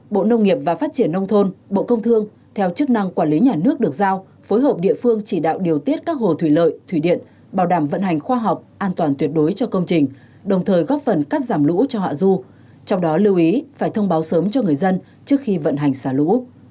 bộ nông nghiệp và phát triển nông thôn bộ công thương theo chức năng quản lý nhà nước được giao phối hợp địa phương chỉ đạo điều tiết các hồ thủy lợi thủy điện bảo đảm vận hành khoa học an toàn tuyệt đối cho công trình đồng thời góp phần cắt giảm lũ cho hạ du trong đó lưu ý phải thông báo sớm cho người dân trước khi vận hành xả lũ